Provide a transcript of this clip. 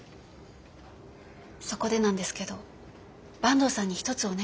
そこでなんですけど坂東さんに一つお願いがあって。